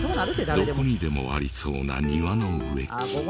どこにでもありそうな庭の植木。